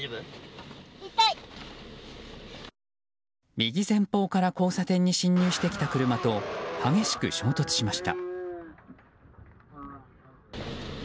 右前方から交差点に進入してきた車と激しく衝突しました。